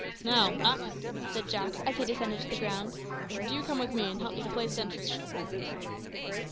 "Now, Mak," said Jack, as he descended to the ground, "do you come with me, and help me to place sentries."